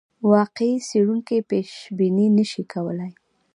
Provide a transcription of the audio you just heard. واقعي څېړونکی پیشبیني نه شي کولای.